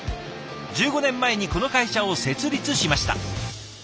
１５年前にこの会社を設立しました。